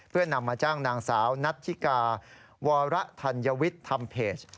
เพื่อนำมาจ้างนางสาวนัทธิกาวรธัญวิทย์ทำเพจ